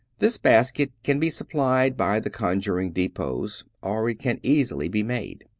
This basket can be supplied by the conjuring depots, or it can easily be made.